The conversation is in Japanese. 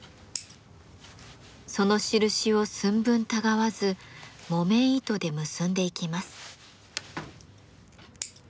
その印を寸分たがわず木綿糸で結んでいきます。